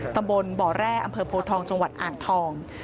ตำบลบแร่อพทองจอ่างทอง